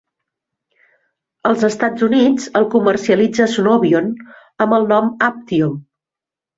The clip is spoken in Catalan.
Als Estats Units el comercialitza Sunovion amb el nom Aptiom.